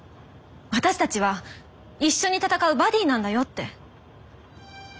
私たちは一緒に戦うバディなんだよって。